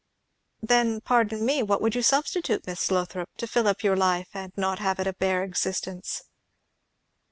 "Then, pardon me, what would you substitute, Miss Lothrop, to fill up your life, and not have it a bare existence?"